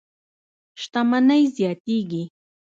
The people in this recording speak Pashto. شتمنۍ زیاتېږي.